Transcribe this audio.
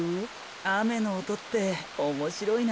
あめのおとっておもしろいな。